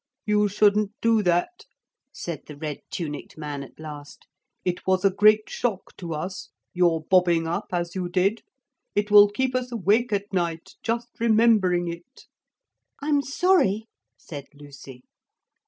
'You shouldn't do that,' said the red tunicked man at last, 'it was a great shock to us, your bobbing up as you did. It will keep us awake at night, just remembering it.' 'I'm sorry,' said Lucy.